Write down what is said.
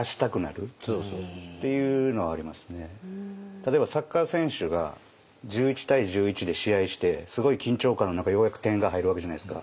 例えばサッカー選手が１１対１１で試合してすごい緊張感の中ようやく点が入るわけじゃないですか。